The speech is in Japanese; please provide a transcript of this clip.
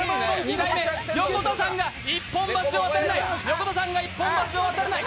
横田さんが一本橋を渡れない。